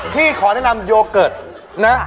พี่ขอแนะนำโยเกิร์ตนะ